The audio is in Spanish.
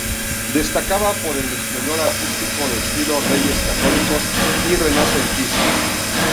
Destacaba por el esplendor artístico de estilo Reyes Católicos y renacentista.